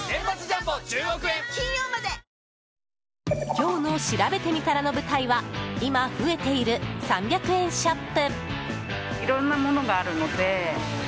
今日のしらべてみたらの舞台は今、増えている３００円ショップ。